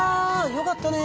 よかったね！